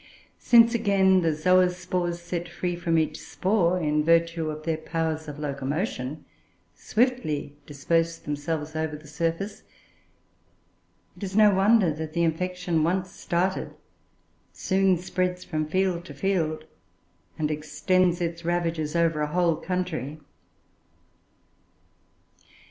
Since, again, the zoospores set free from each spore, in virtue of their powers of locomotion, swiftly disperse themselves over the surface, it is no wonder that the infection, once started, soon spreads from field to field, and extends its ravages over a whole country.